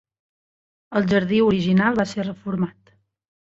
El jardí original va ser reformat.